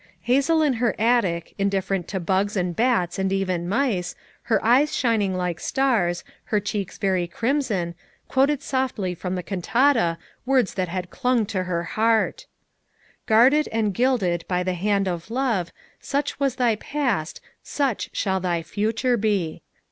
Hazel in her attic, indifferent to bugs and bats and even mice, her eyes shining like stars, her cheeks very crimson quoted softly from the cantata, words that had clung to her heart : "Guarded and guided by the hand of love, Such was thy past, such shall thy future be."